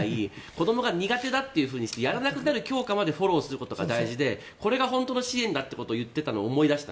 子供が苦手だとしてやらなくなる教科までフォローすることが大事でこれが本当の支援だと言っていたのを思い出した。